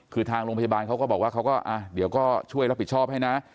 คือทางลงพยาบาลเขาก็บอกว่าเขาก็ช่วยรับผิดชอบให้นะ